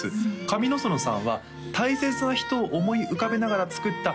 上之園さんは「大切な人を思い浮かべながら作った」